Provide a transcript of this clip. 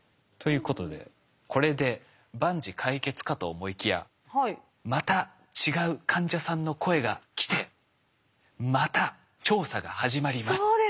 ということでこれで万事解決かと思いきやまた違う患者さんの声が来てまた調査が始まります。